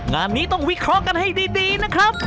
งานนี้ต้องวิเคราะห์กันให้ดีนะครับ